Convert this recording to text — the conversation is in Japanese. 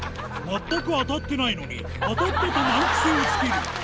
全く当たってないのに、当たったと難癖をつける。